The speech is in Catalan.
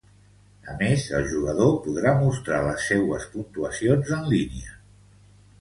A més, el jugador podrà mostrar les seues puntuacions en línia.